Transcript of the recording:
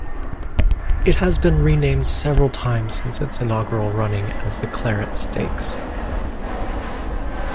It has been renamed several times since its inaugural running as The Claret Stakes.